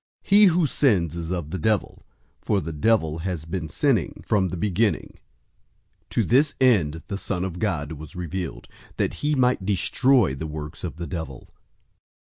003:008 He who sins is of the devil, for the devil has been sinning from the beginning. To this end the Son of God was revealed, that he might destroy the works of the devil.